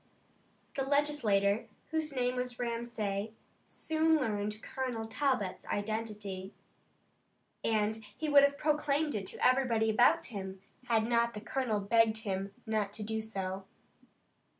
The legislator, whose name was Ramsay, soon learned Colonel Talbot's identity, and he would have proclaimed it to everybody about him, had not the colonel begged him not to do so.